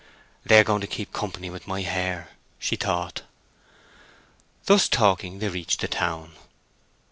"They are going to keep company with my hair," she thought. Thus talking, they reached the town.